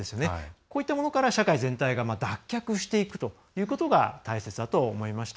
こういったものから社会全体が脱却していくということが大切だと思いました。